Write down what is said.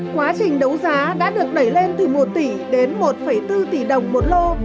quá trình đấu giá đã được đẩy lên từ một tỷ đến một bốn tỷ đồng một lô